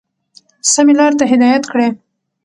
سمي لاري ته هدايت كړي،